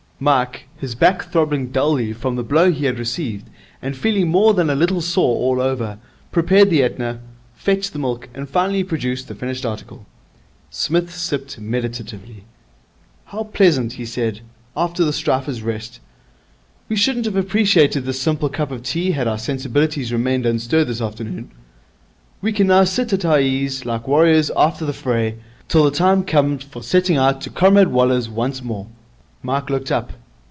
Mike, his back throbbing dully from the blow he had received, and feeling more than a little sore all over, prepared the Etna, fetched the milk, and finally produced the finished article. Psmith sipped meditatively. 'How pleasant,' he said, 'after strife is rest. We shouldn't have appreciated this simple cup of tea had our sensibilities remained unstirred this afternoon. We can now sit at our ease, like warriors after the fray, till the time comes for setting out to Comrade Waller's once more.' Mike looked up.